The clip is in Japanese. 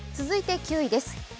続いて９位です。